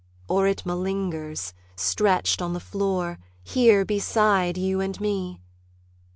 or it malingers. Stretched on the floor, here beside you and me.